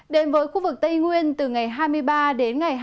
đến với khu vực tây nguyên từ ngày hai mươi ba đến ngày hai mươi